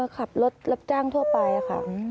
ขับรถรับจ้างทั่วไปค่ะ